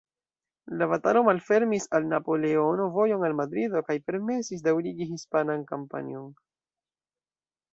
La batalo malfermis al Napoleono vojon al Madrido kaj permesis daŭrigi hispanan kampanjon.